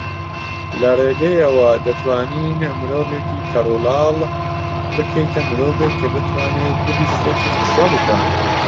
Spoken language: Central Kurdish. لەرێگەیەوە دەتوانین مرۆڤێکی کەڕولاڵ بکەیتە مرۆڤێک کە بتوانێت ببیستێت و قسە بکات